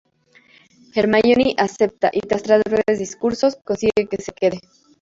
Hermíone acepta y tras tres breves discursos consigue que se quede.